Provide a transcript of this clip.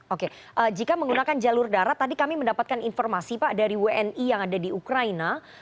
oke jika menggunakan jalur darat tadi kami mendapatkan informasi pak dari wni yang ada di ukraina